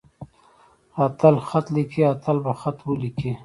اتل خط ليکي. اتل به خط وليکي.